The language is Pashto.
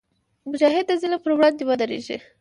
مجاهد د ظلم پر وړاندې ودریږي.